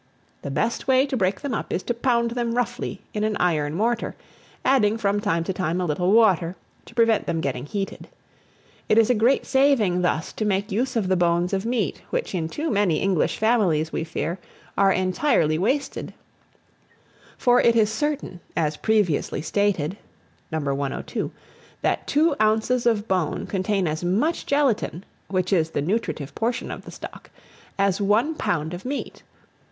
The best way to break them up is to pound them roughly in an iron mortar, adding, from time to time, a little water, to prevent them getting heated. It is a great saving thus to make use of the bones of meat, which, in too many English families, we fear, are entirely wasted; for it is certain, as previously stated (No. 102), that two ounces of bone contain as much gelatine (which is the nutritive portion of stock) as one pound of meat.